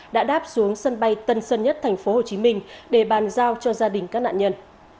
đã đáp xuống sân bay tân sơn nhất thành phố hồ chí minh để bàn giao cho gia đình các nạn nhân